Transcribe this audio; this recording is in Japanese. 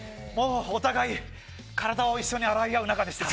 お互い体を一緒に洗い合う仲でした。